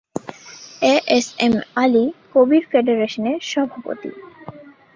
As M Ali Kabir ফেডারেশনের সভাপতি।